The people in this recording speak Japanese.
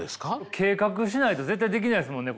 計画しないと絶対できないですもんね